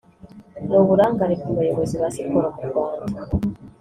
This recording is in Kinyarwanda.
n’uburangare ku bayobozi ba Siporo mu Rwanda